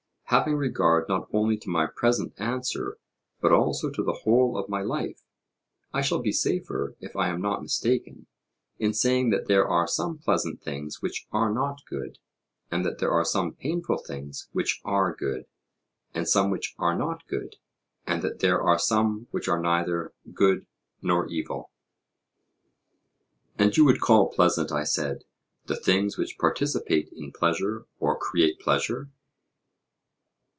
Having regard not only to my present answer, but also to the whole of my life, I shall be safer, if I am not mistaken, in saying that there are some pleasant things which are not good, and that there are some painful things which are good, and some which are not good, and that there are some which are neither good nor evil. And you would call pleasant, I said, the things which participate in pleasure or create pleasure?